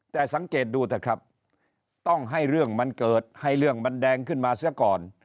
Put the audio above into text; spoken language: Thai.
แต่สังเกตดูเถอะครับต้องให้เรื่องมันเกิดให้เรื่องมันแดงขึ้นมาเสียก่อน